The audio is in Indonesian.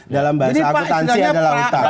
dalam bahasa akutansi adalah hutang